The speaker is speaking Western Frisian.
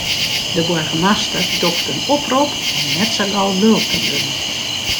De boargemaster docht in oprop om net sa gau lulk te wurden.